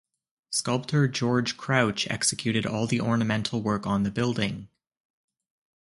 Sculptor George Crouch executed all the ornamental work on the building.